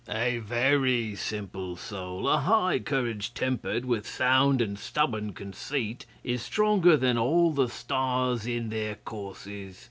'A very simple soul, a high courage tempered with sound and stubborn conceit, is stronger than all the stars in their courses.